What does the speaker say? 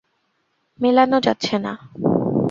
মেলানো যাচ্ছে না।